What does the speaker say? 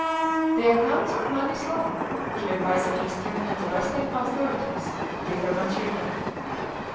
The accounts of Mani s life given by the Eastern 1 and the Western 2 authorities differ materially.